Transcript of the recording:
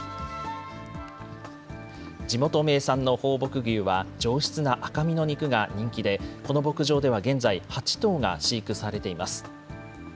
地元名産の放牧牛は、上質な赤身の肉が人気で、この牧場では現在、８頭が飼育されています。